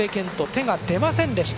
手が出ませんでした。